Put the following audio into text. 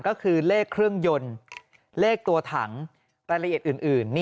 ก็คือเลขเครื่องยนต์เลขตัวถังรายละเอียดอื่น